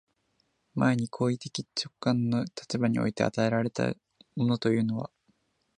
前に行為的直観の立場において与えられたものというのは、